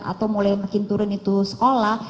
atau mulai makin turun itu sekolah